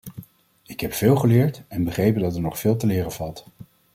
Ik heb veel geleerd en begrepen dat er nog veel te leren valt.